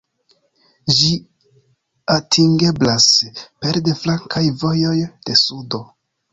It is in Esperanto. Ĝi atingeblas pere de flankaj vojoj de sudo.